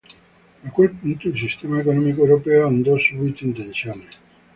A quel punto il sistema economico europeo andò subito in tensione.